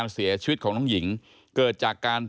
เสียชีวิตของน้องหญิงเกิดจากการ